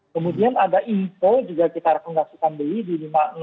kemudian ada info juga kita rekomendasikan beli di lima ribu enam ratus lima puluh